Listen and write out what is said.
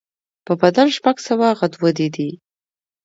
په بدن شپږ سوه غدودي دي.